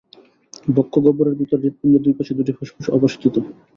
বক্ষগহ্বরের ভিতর হৃদপিন্ডের দুই পাশে দুটি ফুসফুস অবস্থিত।